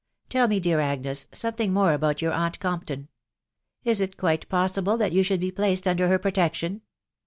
Tell me, dear Agnes, something more about your aunt Oomp ton. Is it quite impossible that you should be placed under her protection